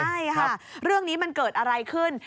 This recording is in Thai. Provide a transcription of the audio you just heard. ใช่ค่ะเรื่องนี้มันเกิดอะไรขึ้น